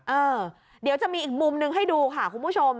เออเดี๋ยวจะมีอีกมุมนึงให้ดูค่ะคุณผู้ชม